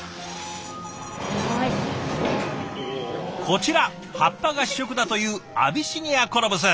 こちら葉っぱが主食だというアビシニアコロブス。